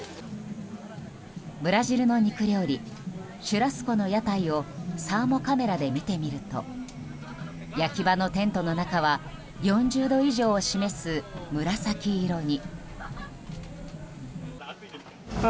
ブラジルの肉料理シュラスコの屋台をサーモカメラで見てみると焼き場のテントの中は４０度以上を示す紫色に。